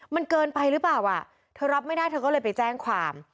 มันเกินไปหรือเปล่าอ่ะเธอรับไม่ได้เธอก็เลยไปแจ้งความ